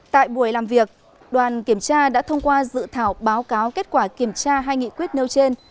tại buổi làm việc đoàn kiểm tra đã thông qua dự thảo báo cáo kết quả kiểm tra hai nghị quyết nêu trên